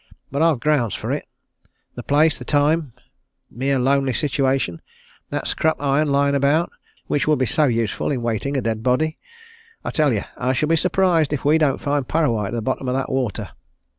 But I've grounds for it. The place the time mere lonely situation that scrap iron lying about, which would be so useful in weighting a dead body! I tell you, I shall be surprised if we don't find Parrawhite at the bottom of that water!"